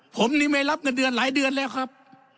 ผมนี่ไม่รับเงินเดือนหลายเดือนแล้วครับ